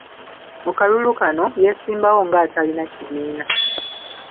Mu kalulu kano, yesimbawo nga talina kibiina